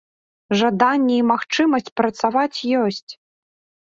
Жаданне і магчымасць працаваць ёсць.